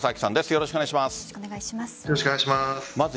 よろしくお願いします。